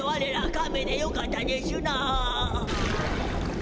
カメでよかったでしゅな。